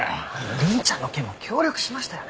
凛ちゃんの件は協力しましたよね。